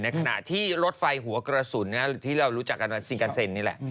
ขณะที่รถไฟหัวกระสุนที่เรารู้จักกันว่าซิกาเซนนี่แหละ